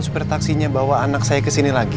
supir taksinya bawa anak saya ke sini lagi